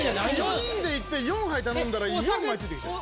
４人で行って４杯頼んだら４枚付いてきちゃう。